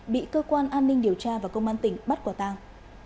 bị cơ quan an ninh điều tra và công an tỉnh bắt quả tang